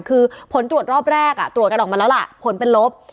คือผลตรวจรอบแรกตรวจกันออกมาแล้วล่ะผลเป็นลบ